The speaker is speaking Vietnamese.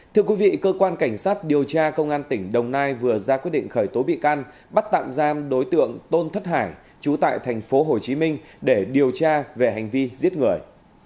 thưa quý vị cơ quan cảnh sát điều tra công an tỉnh đồng nai vừa ra quyết định khởi tố bị can bắt tạm giam đối tượng tôn thất hải chú tại tp hcm để điều tra về hành vi giết người